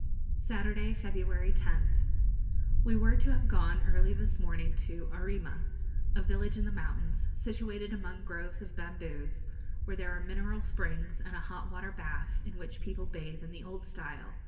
Saturday, February 10th. We were to have gone early this morning to Arrima, a village in the mountains, situated among groves of bamboos, where there are mineral springs and a hot water bath, in which people bathe in the old style.